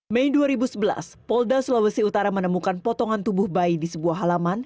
mei dua ribu sebelas polda sulawesi utara menemukan potongan tubuh bayi di sebuah halaman